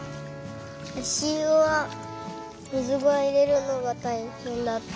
あしゆは水をいれるのがたいへんだった。